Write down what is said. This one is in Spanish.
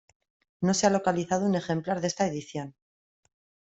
No se ha localizado un ejemplar de esta edición.